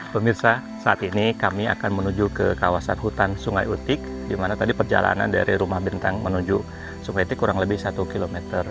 pemirsa saat ini kami akan menuju ke kawasan hutan sungai utik di mana tadi perjalanan dari rumah bintang menuju sungai itu kurang lebih satu km